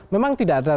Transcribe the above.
memang tidak ada